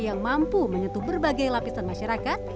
yang mampu menyentuh berbagai lapisan masyarakat